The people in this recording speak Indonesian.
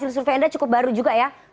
survei anda cukup baru juga ya